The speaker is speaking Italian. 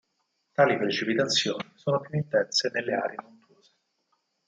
Tali precipitazioni sono più intense nelle aree montuose.